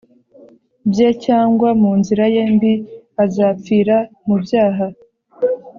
bye cyangwa mu nzira ye mbi azapfira mu byaha